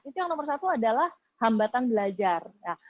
itu yang nomor satu adalah hambatan belajar ya